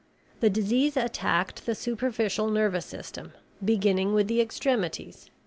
The disease attacked the superficial nervous system, beginning with the extremities.